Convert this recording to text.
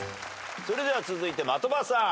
それでは続いて的場さん。